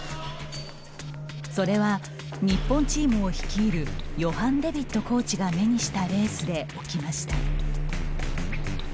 それは、日本チームを率いるヨハン・デ・ヴィットコーチが目にしたレースで起きました。